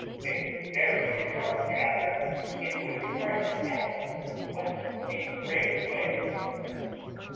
_A very short chapter, in which parson Adams went a great way.